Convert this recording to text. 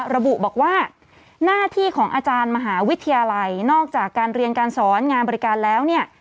ระบุบอกว่าหน้าที่ของอาจารย์มหาวิทยาลัยนอกจากการเรียนการสอนงานบริการแล้วเนี่ย